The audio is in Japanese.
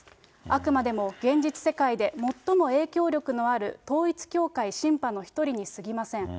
あくまでも現実世界で最も影響力のある統一教会シンパの一人にすぎません。